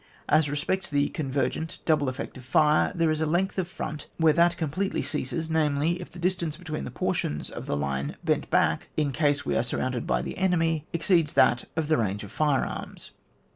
As respects the convergent (double) effect of fire, there is a length of front where that completely ceases, namely, if the distance between the por tions of the line bent back, in case we are surrounded by the enemy, exceeds that of the range of fire arms.